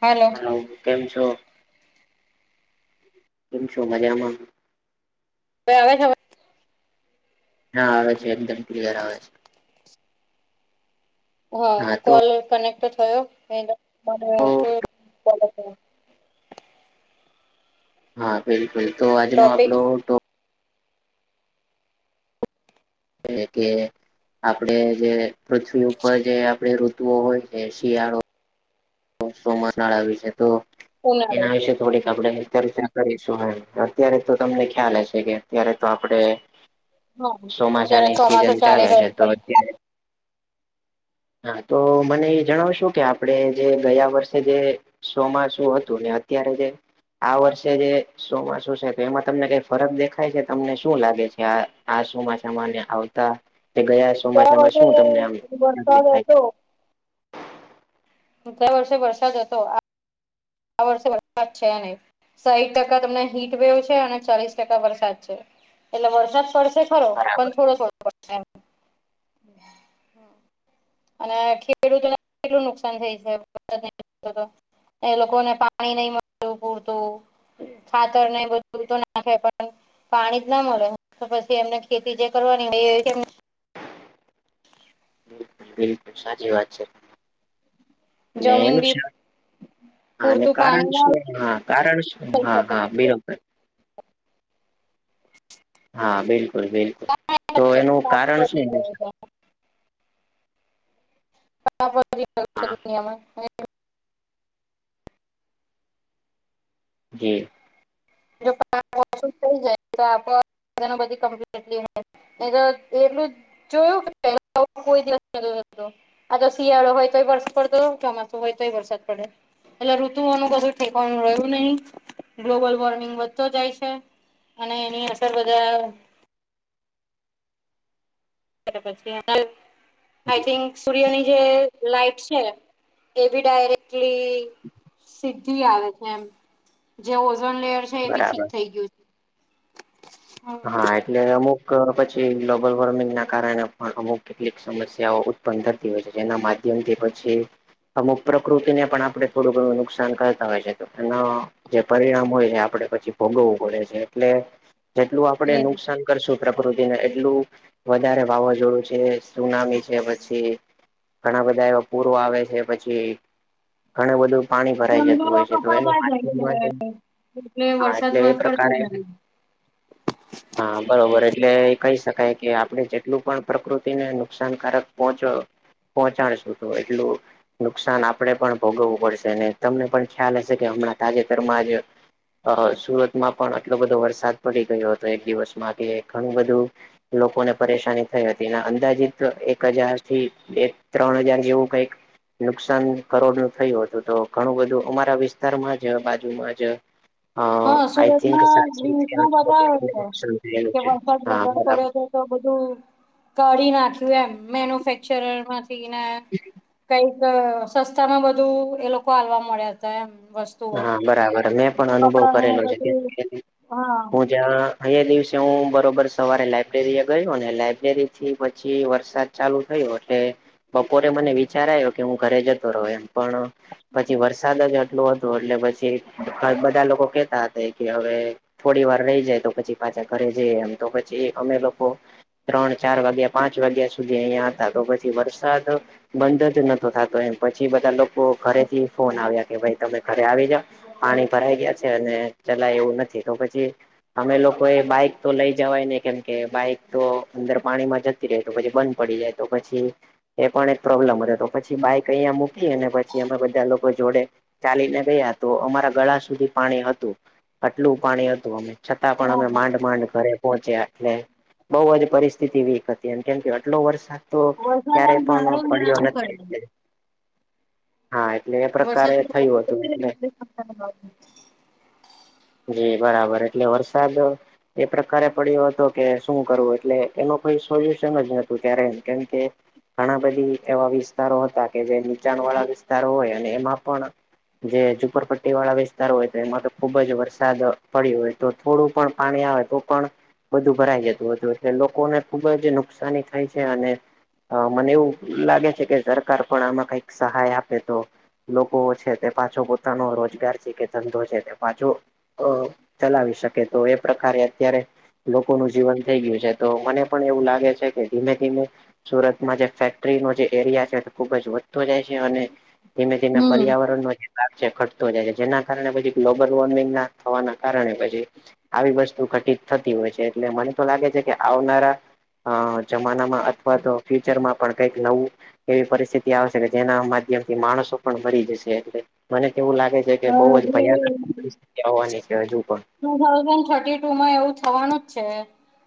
Hello hello કેમ છો? કેમ છો મજામાં? હવે આવે છે અવાજ હા આવે છે એકદમ ક્લિયર આવે છે. હહ હા તો કોલ કનેક્ટ થયો? [unintelligible] હા બિલકુલ તો આજનો ટોપિક આપડો ટો એ કે આપડે જે પૃથ્વી ઉપર જે આપણે રૂત ઋતુઓ હોય છે શિયાળો સોમનાળા વિશે તો ઉનાળો એના વિશે થોડીક આપડે એમ ચર્ચા કરીશું હહ અત્યારે તો તમને ખ્યાલ હશે કે અત્યારે તો આપડે હા અત્યારે ચોમાસાની ચોમાસું સિઝન ચાલી ચાલે છે રહ્યું તો. હા તો મને એ જણાવશો કે આપણે જે ગયા વર્ષે જે શો માં શું હતું ને અત્યારે જે આ વર્ષે જે સોમાસું છે તો એમાં તમને કઈ ફરક દેખાય છે તમને શું લાગે છે આ આ ચોમાસામાંને આવતા ગયા ચોમાસામાં શું તમને વર્ષે વરસાદ આમકલીફ થાય? હતો ગ્યાં વર્ષે વરસાદ હતો આ આ વર્ષે વરસાદ છે નહી સાહીઠ ટકા તમને હીટ વેવ છે અને ચાલીસ ટકા વરસાદ છે. એટલે વરસાદ પડશે ખરો બરાબર પણ થોડો. થોડો પડશે એમ. અને ખેડૂતોને કેટલું નુકસાન થાય છેરસા. એ લોકો ને પાણી નહી મળતુ પૂરતું. ફાતર નહી બધું તો નાખે પણ. પાણી જ ના મળે તો પછી એમને ખેતી જે કરવાની હોય એવી બિલકુલ સાચી વાત છે. એનું જમીન શ બી આ નું પૂરતું કારણ પાણી ના સુ? લઈ હા કારણ શ હા હા બીન હા બિલકુલ બિલકુલ તો એનું કારણ શું. દુનિયામાં. હા [inaudible] હૈ. જો પાંચ વર્ષ થ‌ઇ જાય તો આપ બધી કમ્પ્ટલી. એ તો એટલું જોયું કે કોઈ દિવસ. આ તો શિયાળો હોય તોય વરસાદ પડતો ચોમાસું હોય તોય વરસાદ પડે. એટલે ઋતુઓનું કશું ઠેકાળુ રહ્યું નહી ગ્લોબલ વોર્મિંગ. વધતો જાય છે અને એની અસર બધા. પછી આઈ થિંક. સૂર્યની જે લાઈટ છે એ બી ડાયરેક્ટલી. થી આવે છે જે ઓઝન લેયર છે એ બી બરાબર ઠીક થઈ ગયું છે. હા એટલે અમુક પછી ગ્લોબલ વોર્મિંગ ના કારણે પણ અમુક કેટલીક સમસ્યાઓ. ઉત્પન કરતી હોય છે જેના માધ્યમથી પછી. અમુક પ્રકૃતિને પણ આપણે થોડું ઘણું નુકસાન કરતા હોય છે તો એ. જે પરિણામ હોય એ આપડણે પછી ભોગવવું પડે છે એટલે જેટલું આપણે હમ નુકસાન. કરશું પ્રકૃતિને એટલું વધારે વાવાઝોડું છે સુનામી છે પછી. ઘણા બધા એવા પૂરો આવે છે પછી. ઘણું બધું પાણી ભરાઈ જતું જંગલો હોય છે તો એ કપાતા જાય છે માધમ. એટલે વરસાદ એટલે વર પડતુ નથી. હા બરોબર એટલે એ કહી શકાય કે આપણે જેટલું પણ પ્રકૃતિને નુકસાનકારક પહોંચો. પહોંચાડશું તો એટલું. નુકસાન આપડે પણ ભોગવવું પડશે તમને પણ ખ્યાલ હશે કે હમણાં તાજેતરમાં જ. અ સુરતમાં પણ આટલો બધો વરસાદ પડી ગયો હતો એક દિવસમાં કે ઘણું બધું. લોકોને પરેશાની થઈ હતી અંદાજીત એક હજાર થી. બે ત્રણ હજાર જેવું કઈક. નુકસાન કરોડ નું થયું હતું તો ઘણું બધું અમારા વિસ્તારમાં જ બાજુમાં જ. હા આક. સુરતમાં રીલ્સમાં બતાવે છે કે વરસાદ વધારે [inaudible] પડ્યો તો બધું કાઢી નાખ્યું એમ મેન્યુફેક્ચર માંથી ને. [inaudible] કઈક સસ્તા માં બધું એ લોકો હાલવા મળ્યા હતા એમ વસ્તુ. હા બરાબર મેં પણ અનુભવ કરેલો છે. બધું હા જ્યાં અહીંયા દિવસે હું બરોબર સવારે લાયબ્રેરી એ ગયો અને લાયબ્રેરી થી પછી વરસાદ. ચાલુ થયું એટલે બપોરે મને વિચાર આવ્યો કે હું ઘરે જતો રહ્યો એમ પણ. પછી વરસાદ જ આટલું હતું એટલે પછી બધા લોકો કેતા હતા કે હવે. થોડી વાર રહી જાય તો પછી પાછા ઘરે જઈ એમ તો પછી અમે લોકો. ત્રણ ચાર વાગ્યા પાંચ વાગ્યા સુધી અહિયાં હતા તો પછી વરસાદ બંધ જ નતો થતો એમ પછી બધા લોકો ઘરેથી ફોન આવ્યા કે ભાઈ તમે ઘરે આવી જા પાણી ભરાઈ ગયા છે અને ચલાય એવું નથી તો પછી, અમે લોકો એ બાઈક તો લઈ જવાય ને કેમ કે બાઈક તો અંદર પાણીમાં જ તે તો પછી બંધ પડી જાય તો પછી એ પણ એક પ્રોબ્લેમ હતો તો પછી બાઈક અહીંયા મૂકી અને પછી અમે બધા લોકો જોડે ચાલીને ગયા તો અમારા ગળા સુધી પાણી હતું અટલું પાણી હતું અમે. છતાં પણ અમે ઓહો માંડ માંડ ઘરે. પહોચ્યા એટલે બઉુ જ પરિસ્થિતિ વીક હતી એમ કેમ આટલો વરસાદ. તો વરસાદ આમ ક્યારે સારો પણ ને પડ્યો આમ કરે નથી એટલે. હા એટલે એ વરસાદ પ્રકારે થયું હતું એટલે જી બરાબર એટલે વરસાદ એ પ્રકારે પડ્યો હતો કે શું કરવું એટલે એનો કોઈ સોલ્યુશન જ નતું ક્યારેય કેમકે ઘણા બધી એવા વિસ્તારો હતા કે જે નીચાણ વાળા વિસ્તારો હોય અને એમાં પણ જે ઝુપરપટ્ટી વાળા વિસ્તારો હોય તો એમાં તો ખુબ જ વરસાદ પડી્યો હોય તો થોડું પણ પાણી આવે તો પણ બધું ભરાઈ જતું હતું એટલે લોકોને ખુબ જ નુકસાની થાય છે અને અ મને એવું લાગે છે કે સરકાર પણ આમાં કઈક સહાય આપે તો લોકો છે. તે પાછો પોતાનો રોજગાર છે કે ધંધો છે તે પાછો અ ચલાવી શકે તો એ પ્રકારે અત્યારે લોકોનું જીવન થઈ ગયું છે તો મને પણ એવું લાગે છે કે ધીમે ધીમે સુરતમાં જે ફેક્ટરીનો જે એરિયા છે તે ખુબ જ વધતો જાય છે અને ધીમે તેના હમ પર્યાવરણ વચ્ચ ઘટતો જાય છે જેના કારણે પછી ગ્લોબલ વોર્મિંગ ના થવાના કારણે પછી આવી વસ્તુ ઘટિત થતી હોય છે એટલે મને તો લાગે છે કે આવનારા અ જમાનામાં અથવા તો ફ્યુચર માં પણ કઈક નવું એવી પરિસ્થિતિ આવશે કે જેના માધ્યમ થી માણસો પણ મરી જશે એટ મને કેવું લાગે છે કે બહુ હા જ ભયાનક પરિસ્થિતિ આવવાની છે હજુ પણ ટુ થાઉઝન્ડ થર્ટી ટુ માં એવું થવાનું જ છે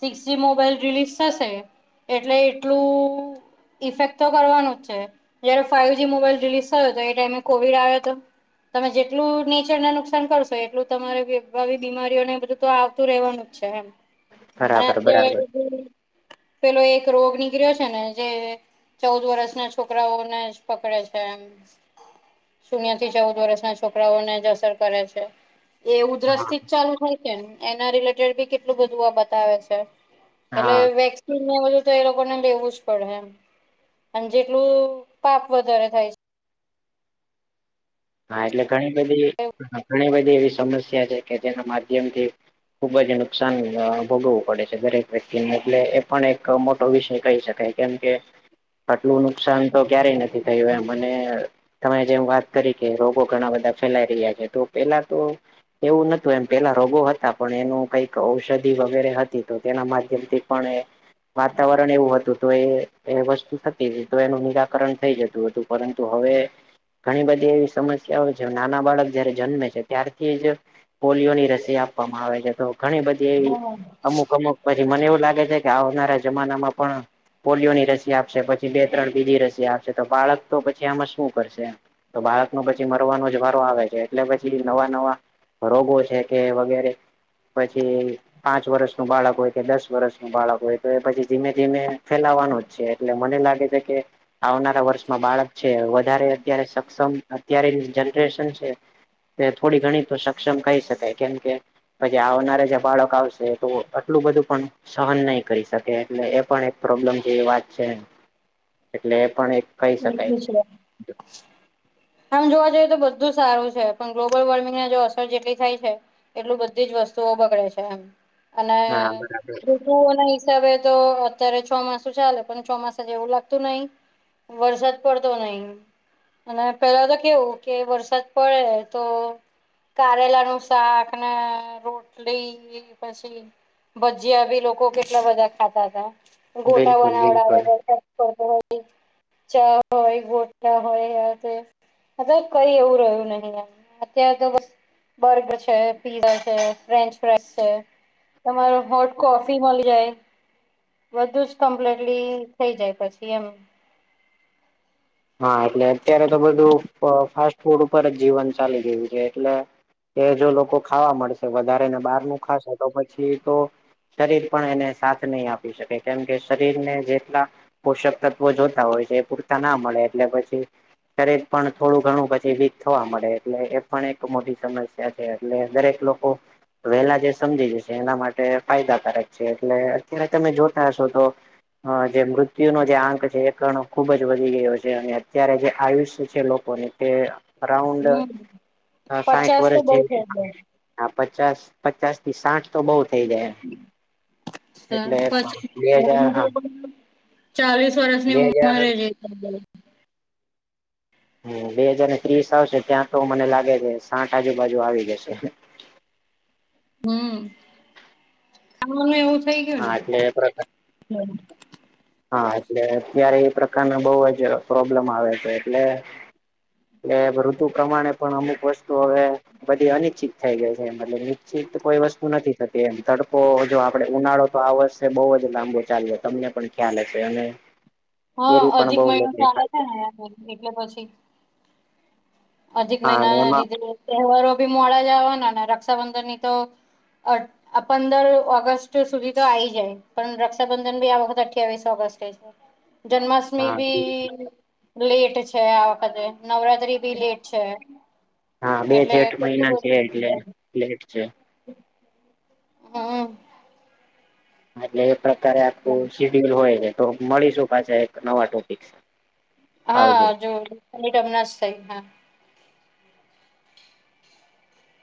સિક્સ જી મોબાઈલ રિલીઝ થશે એટલે એટલું ઇફેક્ટ તો કરવાનું જ છે જયારે ફાઈઇવ જ મોબાઈલ રિલીઝ થયો હતો એ ટાઈમે કોવિડ આવ્યો હતો તમે જેટલું નેચરને નુકસાન કરશો એટલું તમારે આવી બીમારીઓને બધું તો આવતું રહેવાનું અચ્છા એમ અને બરાબર બરાબર અત્યારે પેલો એક રોગ નીકળ્યો છે ને જે ચૌદ વર્ષના છોકરાઓને જ પકડે છે એમ શૂન્યથી ચૌદ વર્ષના છોકરાઓને જ અસર કરે છે એ ઉધરસ હા થી જ ચાલુ થાય એના રિલેટેડી કેટલું બધું બતાવે છે હા એટલે જુ તો એ લોકોને લેવું જ પડેમ અને જેટલું પાપ વધારે થાય છે હા એટલે ઘણી બધી ઘણી બધી એવી સમસ્યા છે કે જેના માધ્યમથી ખુબ જ નુકસાન ભોગવું પડે છે દરેક વ્યક્તિને એટલે એ પણ એક મોટો વિષય કહી શકાય કેમ કે આટલું નુકસાન તો ક્યારેય નથી થયું એ મને તમે જેમ વાત કરી કે રોગો ઘણા બધા ફેલાઈ રહ્યા છે તો પેલા તો એવું નતું એમ પેલા રોગો હતા પણ એનું કઈક ઔષધિ વગેરે હતી તો તેના માધ્યમથી પણણે વાતાવરણ એવું હતું તો એ વસ્તુ થતી હતી તો એનું નિરાકરણ થઈ જતું હતું પરંતુ હવે ઘણી બધી એવી સમસ્યા હો છે નાના બાળક જયારે જન્મે છે ત્યારથી જ પોલિયોની રસી આપવામાં આવે છે તો ઘણી બધી એવી હા અમુક અમુક પછી મને એવું લાગે છે કે આવનારા જમાનામાં પણ પોલિયોની રસી આપશે પછી બે ત્રણ બીજી રસી આપશે તો બાળક તો પછી આમાં શું કરશે તો ભાર પછી મરવાનો જ વારો આવે છે એટલે પછી નવા નવા રોગો છે કે વગેરે પછી પાંચ વર્ષ ન બાળક હોય કે દસ વર્ષ ન બાળક હોય તો એ પછી ધીમે ધીમે ફેલાવાનું જ એટલે મને લાગે છે કે આવનારા વર્ષમાં બાળક છે વધારે અત્યારે સક્ષમ અત્યારેની જનરેશન છે તે થોડી ઘણી તો સક્ષમ કહી શકાય કેમ કે પછી આવનારા જે બાળક આવશે તો આટલું બધું પણ સહન નહી કરી શકે એટલે એ પણ એક પ્રોબ્લેમ જેવી વાત છે એટલે એ પણ એક કહી શકાય વકમ સમ [unintelligible] આમ જોવા જઈએ તો બધું સારું છે પણ ગ્લોબલ વોર્મિંગને જો અસર જેટલી થાય છે એટલું બધી જ વસ્તુઓ બગડે છે એમ અને હા બરાબર રુ ના હિસાબે તો અત્યારે ચોમાસું ચાલે પણ ચોમાસ જ એવું લાગતું નહી વરસાદ પડતો નહી અને પેલા તો કેવું કે વરસાદ પડે તો કારેલાનું શાક ને રોટલી પછી ભજીયા બી લોકો કેટલા બધા ખાતા હતા ગોટા બિલકુલ બિલકુલ બનાવડા વે ચા હોય ગોટા હોય હવે કઈ એવું રહ્યું નહી એમ અત્યારે તો બર્ગર છે પીઝા છે ફ્રેન્ચ ફ્રાઈ છે. તમારો હોટ કોફી મળી જાય બધું જ કમ્પ્લીટલી થઈ જાય પછી એમ. હા એટલે અત્યારે તો બધું ફાસ્ટ ફૂડ ઉપર જ જીવન ચાલી રહ્યું છે એટલે કે જો લોકો ખાવા મળશે વધારે ને બહાર નું ખાશે તો પછી તો શરીર પણ એને સાથ નહી આપી શકે કેમ કે શરીર ને જેટલા પોષક તત્વો જોતા હોય છે એ પૂરતા ના મળે એટલે પછી પણ થોડું ઘણું પછી વીક થવા મળે એટલે એ પણ એક મોટી સમસ્યા છે એટલે દરેક લોકો વેલા જે સમજી જશે એના માટે ફાયદાકારક છે એટલે અત્યારે તમે જોતા હશો તો હા જે મૃત્યુનો જે આંક છે એ કરણો ખુબ જ વધી ગયો છે. અત્યારે જે આયુષ્ય છે લોકોની તે અરાઉન્ડ હમ સાહીઠ પચાસ તો વર્ષ બઉ થઈ જેવી જાય હા પચાસ પચાસ થી સાઠ તો બહુ થઈ જાય. એટલે બે હજાર હા પછી [unintelligible] ચાલીસ વર્ષની બે હજાર ઉંમરે એ થઈ જાય છે. હ બે હાજારને ત્રીસ આવશે ત્યાં તો મને લાગે છે સાઠ આજુબાજુ આવી જશે. હમ ખવાન એવું થઈ ગયું હા એટલે ને. હા એટલે અત્યારે એ પ્રકારના બહ જ પ્રોબ્લેમ આવે છે એટલે એટલે ઋતુ પ્રમાણે પણ અમુક વસ્તુ હવે બધી અનિશ્ચિત થઈ ગઈ છે મતલબ નિશ્ચિત કોઈ વસ્તુ નથી થતી એમ તડકો જો આપડે ઉનાળો તો આ વર્ષે બહુ જ લાંબો ચાલ્યો તમને પણ ખ્યાલ હશે અને હા કેરી પણ અધિક બહુ મહિનો મોટી ચાલે થાય. છે ને એટલે પછી અધિક હા અને મહિનાના એમાં લીધે તહેવારો બી મોડા આવાનાને રક્ષાબંધન ની તો આ પંદર ઓગસ્ટ સુધી તો આવી જાય. પણ રક્ષાબંધન બી આ વખત અઠવીસ ઓગસ્ટ જન જન્માષ્ટમી હા બી લેટ છે આ વખતે નવરાત્રી ભી લેટ છે. હા બે એટલે જેઠ મહિના છે, એટલે લેટ છે. હમ. એટલે એ પ્રકારે આખું શીડ્યુલ હોય છે તો મળીશું પાછા એક નવા ટોપિક આવજો હા [unintelligible] થઈ હા